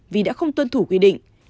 vì đã không tuân thủ quy định